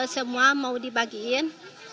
semua mau dibagiin